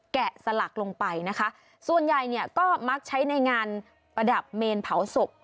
สลักลงไปนะคะส่วนใหญ่เนี่ยก็มักใช้ในงานประดับเมนเผาศพ